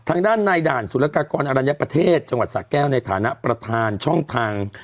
ทางด้านในด่านสุรกากรอรัญญประเทศจังหวัดสะแก้วในฐานะประธานช่องทาง